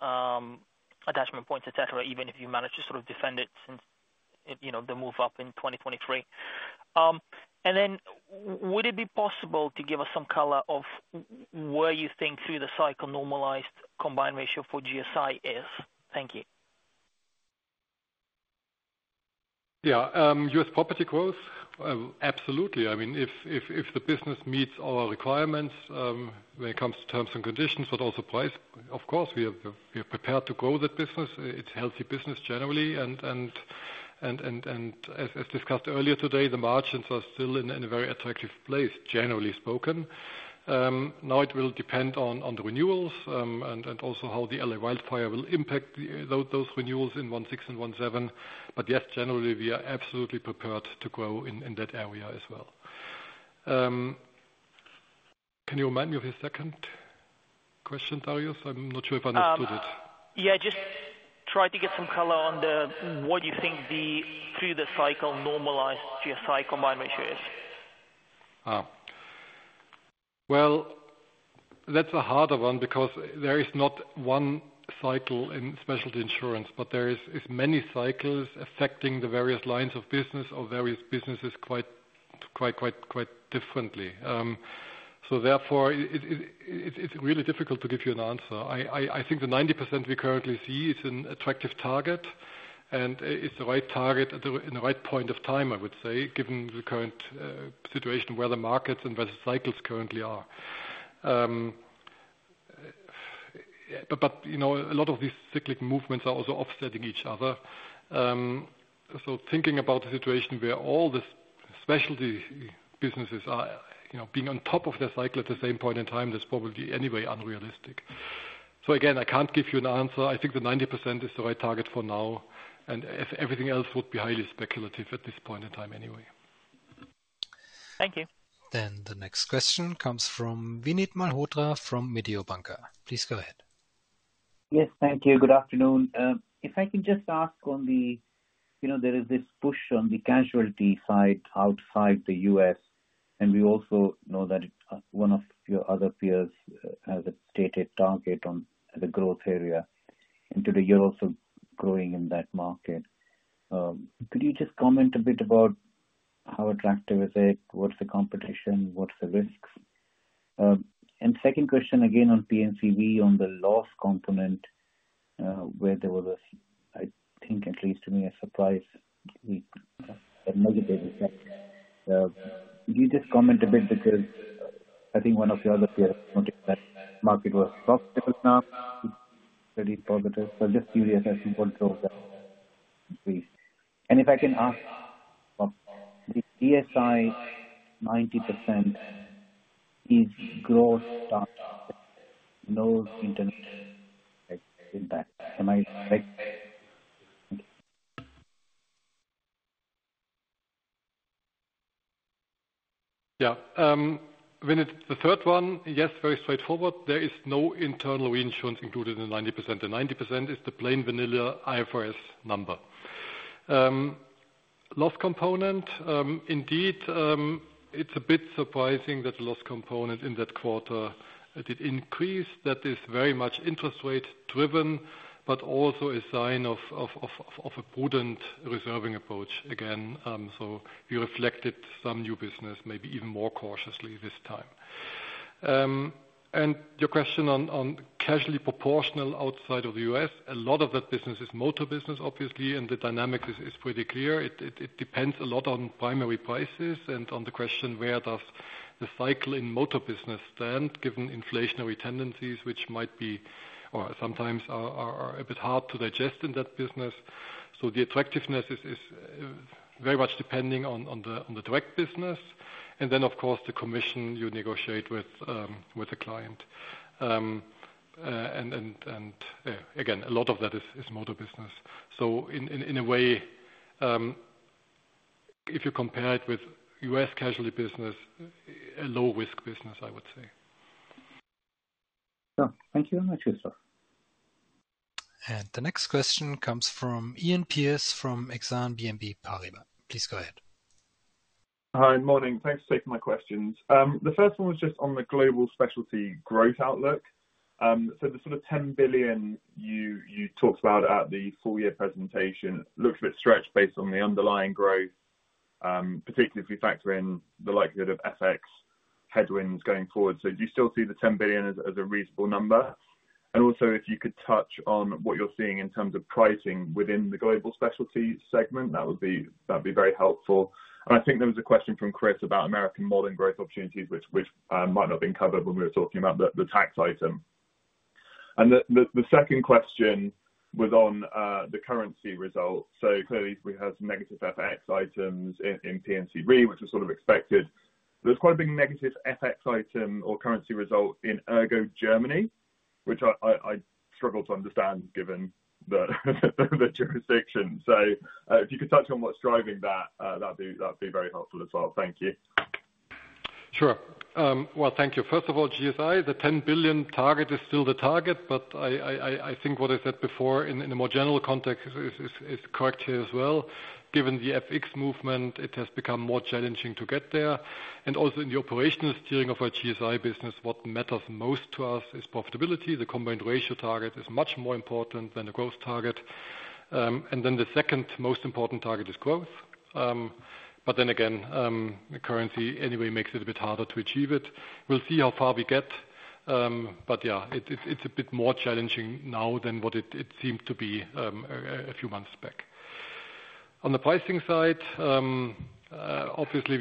attachment points, etc., even if you managed to sort of defend it since the move up in 2023? Would it be possible to give us some color of where you think through the cycle normalized combined ratio for GSI is? Thank you. Yeah. U.S. property growth? Absolutely. I mean, if the business meets our requirements when it comes to terms and conditions, but also price, of course, we are prepared to grow that business. It's a healthy business generally. As discussed earlier today, the margins are still in a very attractive place, generally spoken. It will depend on the renewals and also how the L.A. wildfire will impact those renewals in 1-6 and 1-7. Yes, generally, we are absolutely prepared to grow in that area as well. Can you remind me of your second question, Darius? I'm not sure if I understood it. Yeah, just try to get some color on what you think through the cycle normalized GSI combined ratio is. That is a harder one because there is not one cycle in specialty insurance, but there are many cycles affecting the various lines of business or various businesses quite differently. Therefore, it is really difficult to give you an answer. I think the 90% we currently see is an attractive target, and it is the right target at the right point of time, I would say, given the current situation where the markets and where the cycles currently are. A lot of these cyclic movements are also offsetting each other. Thinking about the situation where all the specialty businesses are being on top of their cycle at the same point in time, that is probably anyway unrealistic. Again, I cannot give you an answer. I think the 90% is the right target for now, and everything else would be highly speculative at this point in time anyway. Thank you. The next question comes from Vinit Malhotra from Mediobanca. Please go ahead. Yes, thank you. Good afternoon. If I can just ask on the there is this push on the casualty side outside the U.S., and we also know that one of your other peers has a stated target on the growth area. Today, you're also growing in that market. Could you just comment a bit about how attractive is it? What's the competition? What's the risks? Second question again on P&C Re on the loss component, where there was, I think at least to me, a surprise negative effect. Can you just comment a bit because I think one of your other peers noticed that market was profitable now, pretty positive? Just curious as to what drove that increase. If I can ask, the GSI 90% is growth stock, no internal impact. Am I correct? Yeah. The third one, yes, very straightforward. There is no internal reinsurance included in the 90%. The 90% is the plain vanilla IFRS number. Loss component, indeed, it's a bit surprising that the loss component in that quarter did increase. That is very much interest rate driven, but also a sign of a prudent reserving approach again. We reflected some new business, maybe even more cautiously this time. Your question on casualty proportional outside of the U.S., a lot of that business is motor business, obviously, and the dynamic is pretty clear. It depends a lot on primary prices and on the question where does the cycle in motor business stand given inflationary tendencies, which might be or sometimes are a bit hard to digest in that business. The attractiveness is very much depending on the direct business. Then, of course, the commission you negotiate with the client. Again, a lot of that is motor business. In a way, if you compare it with U.S. casualty business, a low-risk business, I would say. Sure. Thank you very much, Christoph. The next question comes from Iain Pearce from Exane BNP Paribas. Please go ahead. Hi, morning. Thanks for taking my questions. The first one was just on the global specialty growth outlook. The sort of 10 billion you talked about at the full-year presentation looks a bit stretched based on the underlying growth, particularly if we factor in the likelihood of FX headwinds going forward. Do you still see the 10 billion as a reasonable number? Also, if you could touch on what you're seeing in terms of pricing within the global specialty segment, that would be very helpful. I think there was a question from Chris about American Modern growth opportunities, which might not have been covered when we were talking about the tax item. The second question was on the currency result. Clearly, we had some negative FX items in P&C Re, which was sort of expected. There is quite a big negative FX item or currency result in Ergo, Germany, which I struggled to understand given the jurisdiction. If you could touch on what is driving that, that would be very helpful as well. Thank you. Sure. Thank you. First of all, GSI, the 10 billion target is still the target, but I think what I said before in a more general context is correct here as well. Given the FX movement, it has become more challenging to get there. Also in the operational steering of our GSI business, what matters most to us is profitability. The combined ratio target is much more important than the growth target. The second most important target is growth. Currency anyway makes it a bit harder to achieve it. We'll see how far we get. Yeah, it's a bit more challenging now than what it seemed to be a few months back. On the pricing side, obviously,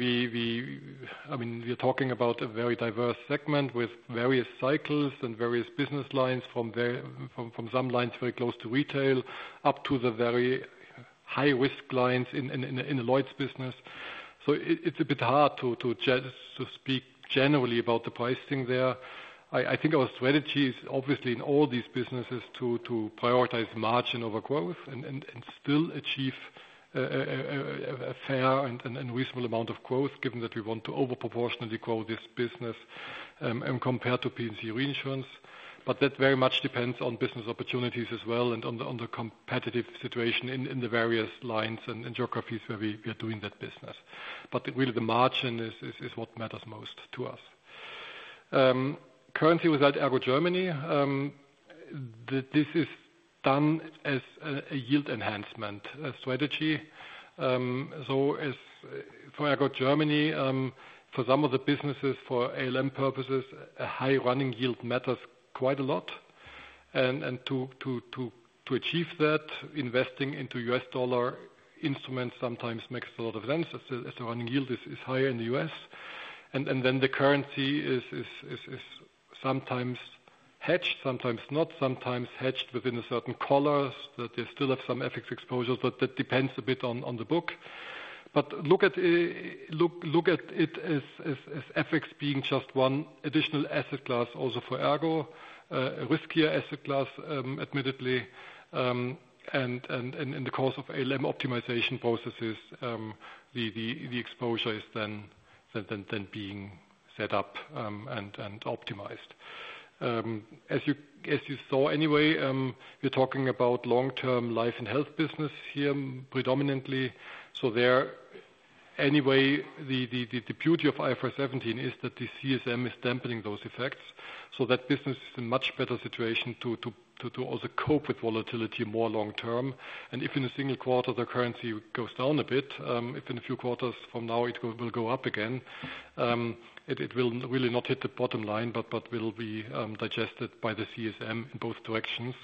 I mean, we're talking about a very diverse segment with various cycles and various business lines from some lines very close to retail up to the very high-risk lines in Lloyd's business. It's a bit hard to speak generally about the pricing there. I think our strategy is obviously in all these businesses to prioritize margin over growth and still achieve a fair and reasonable amount of growth given that we want to overproportionately grow this business and compare to P&C Reinsurance. That very much depends on business opportunities as well and on the competitive situation in the various lines and geographies where we are doing that business. Really, the margin is what matters most to us. Currency result Ergo, Germany, this is done as a yield enhancement strategy. For Ergo, Germany, for some of the businesses for ALM purposes, a high running yield matters quite a lot. To achieve that, investing into U.S. dollar instruments sometimes makes a lot of sense as the running yield is higher in the U.S. The currency is sometimes hedged, sometimes not, sometimes hedged within a certain collar that they still have some FX exposure, but that depends a bit on the book. Look at it as FX being just one additional asset class also for Ergo, a riskier asset class, admittedly. In the course of ALM optimization processes, the exposure is then being set up and optimized. As you saw anyway, we're talking about long-term life and health business here predominantly. There anyway, the beauty of IFRS 17 is that the CSM is dampening those effects. That business is in a much better situation to also cope with volatility more long-term. If in a single quarter the currency goes down a bit, if in a few quarters from now it will go up again, it will really not hit the bottom line, but will be digested by the CSM in both directions,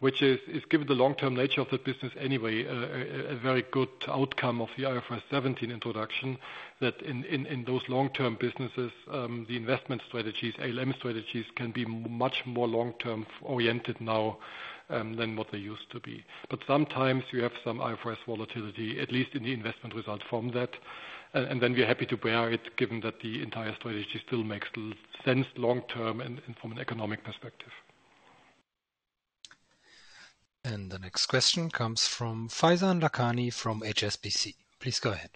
which is, given the long-term nature of the business anyway, a very good outcome of the IFRS 17 introduction that in those long-term businesses, the investment strategies, ALM strategies can be much more long-term oriented now than what they used to be. Sometimes you have some IFRS volatility, at least in the investment result from that. We are happy to bear it given that the entire strategy still makes sense long-term and from an economic perspective. The next question comes from Faizan Lakhani from HSBC. Please go ahead.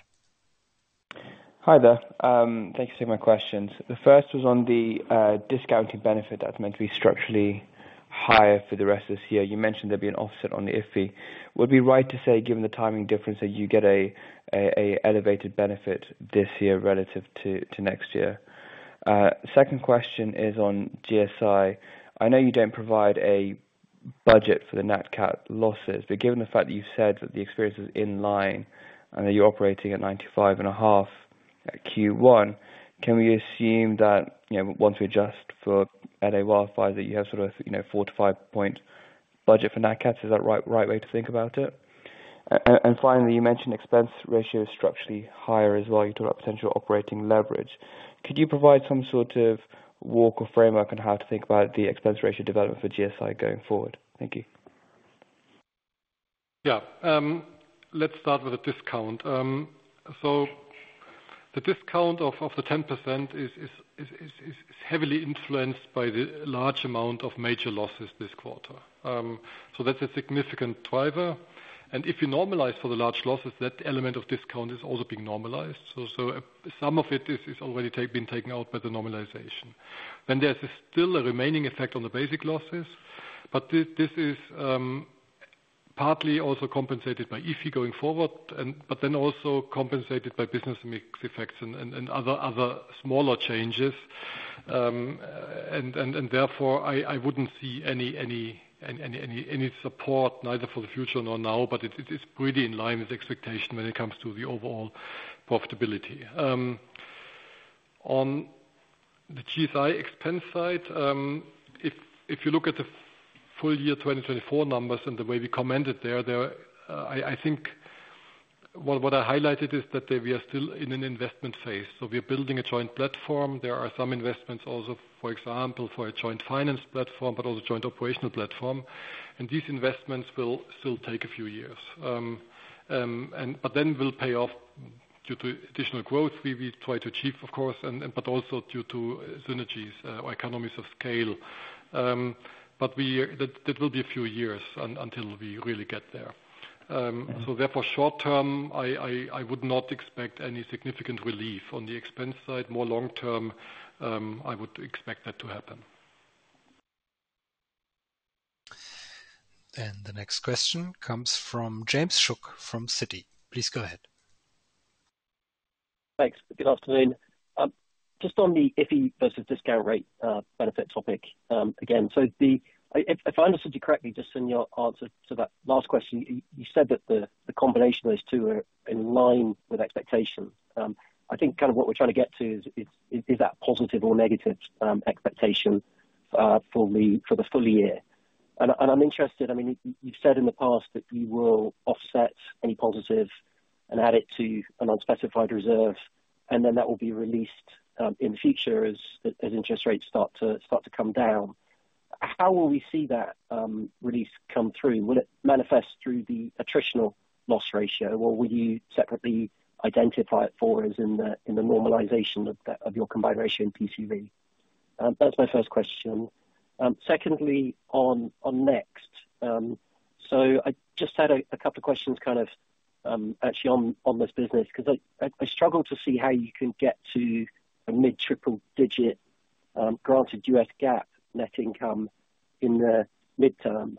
Hi there. Thanks for taking my questions. The first was on the discounting benefit that's meant to be structurally higher for the rest of this year. You mentioned there'd be an offset on the IFI. Would it be right to say, given the timing difference, that you get an elevated benefit this year relative to next year? Second question is on GSI. I know you don't provide a budget for the NatCat losses, but given the fact that you've said that the experience is in line and that you're operating at 95.5% at Q1, can we assume that once we adjust for L.A. wildfire, that you have sort of a four- to five-point budget for NatCat? Is that the right way to think about it? Finally, you mentioned expense ratio is structurally higher as well. You talked about potential operating leverage. Could you provide some sort of walk or framework on how to think about the expense ratio development for GSI going forward? Thank you. Yeah. Let's start with a discount. The discount of the 10% is heavily influenced by the large amount of major losses this quarter. That is a significant driver. If you normalize for the large losses, that element of discount is also being normalized. Some of it is already being taken out by the normalization. There is still a remaining effect on the basic losses, but this is partly also compensated by IFI going forward, but then also compensated by business mix effects and other smaller changes. Therefore, I would not see any support neither for the future nor now, but it is pretty in line with expectation when it comes to the overall profitability. On the GSI expense side, if you look at the full year 2024 numbers and the way we commented there, I think what I highlighted is that we are still in an investment phase. We are building a joint platform. There are some investments also, for example, for a joint finance platform, but also joint operational platform. These investments will still take a few years, but then will pay off due to additional growth we try to achieve, of course, but also due to synergies or economies of scale. That will be a few years until we really get there. Therefore, short term, I would not expect any significant relief on the expense side. More long term, I would expect that to happen. The next question comes from James Shuck from Citi. Please go ahead. Thanks. Good afternoon. Just on the IFI versus discount rate benefit topic again. If I understood you correctly, just in your answer to that last question, you said that the combination of those two are in line with expectations. I think kind of what we're trying to get to is that positive or negative expectation for the full year. I am interested. I mean, you've said in the past that you will offset any positive and add it to an unspecified reserve, and then that will be released in the future as interest rates start to come down. How will we see that release come through? Will it manifest through the attritional loss ratio, or will you separately identify it for us in the normalization of your combined ratio and P&C Re? That's my first question. Secondly, on Next, I just had a couple of questions kind of actually on this business because I struggle to see how you can get to a mid-triple digit, granted U.S. GAAP net income in the midterm.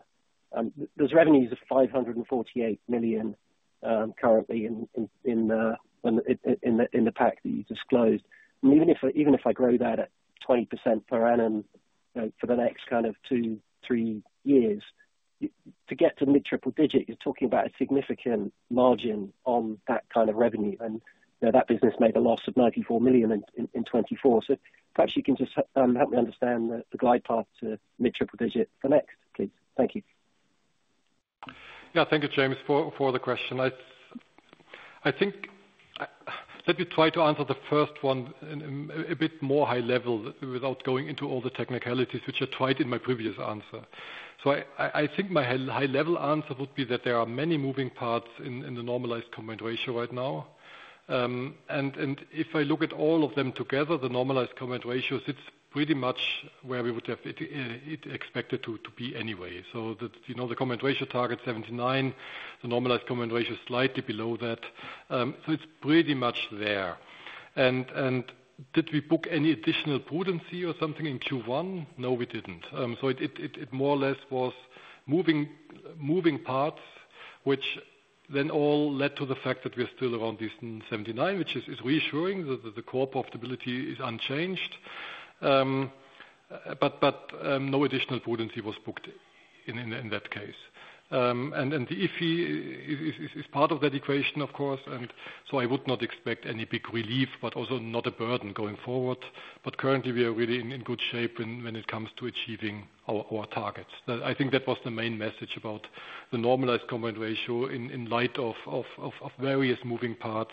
There is revenue of EUR 548 million currently in the pack that you disclosed. Even if I grow that at 20% per annum for the next kind of two, three years, to get to mid-triple digit, you are talking about a significant margin on that kind of revenue. That business made a loss of 94 million in 2024. Perhaps you can just help me understand the glide path to mid-triple digit for Next, please. Thank you. Yeah. Thank you, James, for the question. I think that you tried to answer the first one a bit more high level without going into all the technicalities, which I tried in my previous answer. I think my high level answer would be that there are many moving parts in the normalized combined ratio right now. If I look at all of them together, the normalized combined ratio sits pretty much where we would have expected to be anyway. The combined ratio target is 79%. The normalized combined ratio is slightly below that. It is pretty much there. Did we book any additional prudency or something in Q1? No, we did not. It more or less was moving parts, which then all led to the fact that we are still around this 79%, which is reassuring that the core profitability is unchanged, but no additional prudency was booked in that case. The IFI is part of that equation, of course. I would not expect any big relief, but also not a burden going forward. Currently, we are really in good shape when it comes to achieving our targets. I think that was the main message about the normalized combined ratio in light of various moving parts,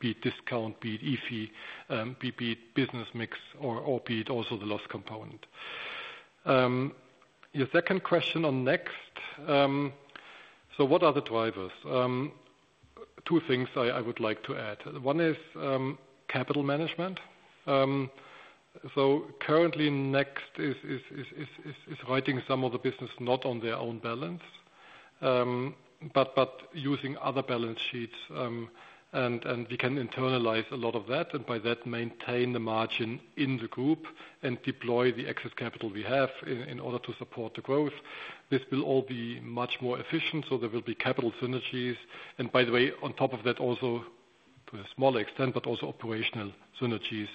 be it discount, be it IFI, be it business mix, or be it also the loss component. Your second question on Next. What are the drivers? Two things I would like to add. One is capital management. Currently, Next is writing some of the business not on their own balance, but using other balance sheets. We can internalize a lot of that and by that maintain the margin in the group and deploy the excess capital we have in order to support the growth. This will all be much more efficient. There will be capital synergies. By the way, on top of that, also to a smaller extent, but also operational synergies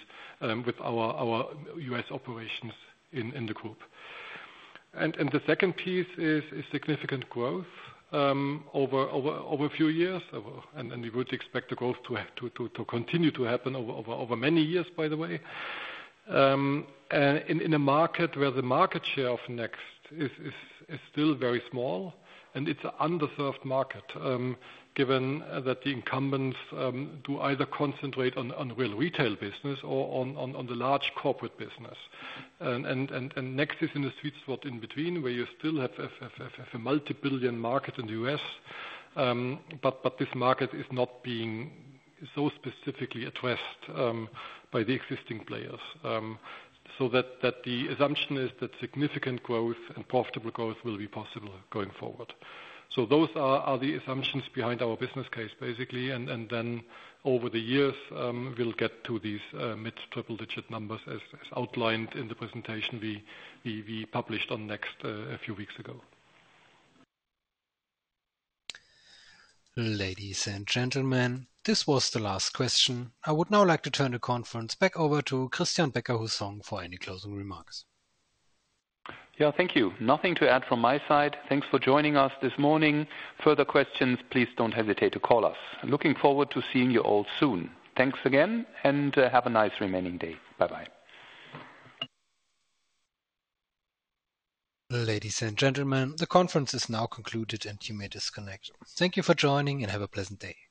with our U.S. operations in the group. The second piece is significant growth over a few years. We would expect the growth to continue to happen over many years, by the way, in a market where the market share of Next is still very small. It is an underserved market given that the incumbents do either concentrate on real retail business or on the large corporate business. Next is in the sweet spot in between where you still have a multi-billion market in the U.S., This market is not being so specifically addressed by the existing players. The assumption is that significant growth and profitable growth will be possible going forward. Those are the assumptions behind our business case, basically. Then over the years, we'll get to these mid-triple digit numbers as outlined in the presentation we published on Next a few weeks ago. Ladies and gentlemen, this was the last question. I would now like to turn the conference back over to Christian Becker-Hussong for any closing remarks. Yeah, thank you. Nothing to add from my side. Thanks for joining us this morning. Further questions, please do not hesitate to call us. Looking forward to seeing you all soon. Thanks again and have a nice remaining day. Bye-bye. Ladies and gentlemen, the conference is now concluded and you may disconnect. Thank you for joining and have a pleasant day. Goodbye.